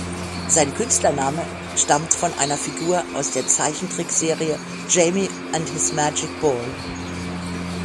Sein Künstlername stammt von einer Figur aus der Zeichentrickserie "Jamie and His Magic Ball".